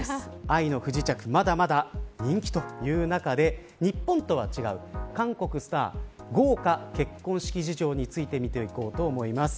愛の不時着まだまだ人気という中で日本とは違う、韓国スター豪華、結婚式事情について見ていこうと思います。